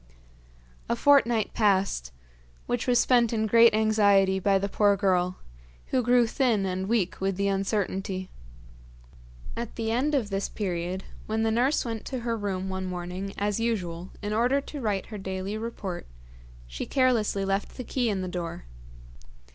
A fortnight passed, which was spent in great anxiety by the poor girl, who grew thin and weak with the uncertainty. At the end of this period, when the nurse went to her room one morning as usual in order to write her daily report, she carelessly left the key in the door.